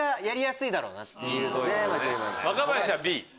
若林は「Ｂ」。